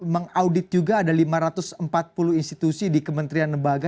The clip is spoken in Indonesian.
mengaudit juga ada lima ratus empat puluh institusi di kementerian lembaga